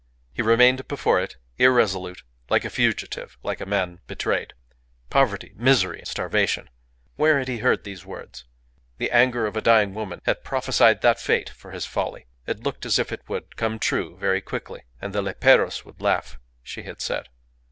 He remained before it, irresolute, like a fugitive, like a man betrayed. Poverty, misery, starvation! Where had he heard these words? The anger of a dying woman had prophesied that fate for his folly. It looked as if it would come true very quickly. And the leperos would laugh she had said.